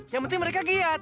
yang penting mereka giat